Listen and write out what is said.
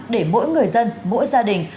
để mỗi người dân mỗi gia đình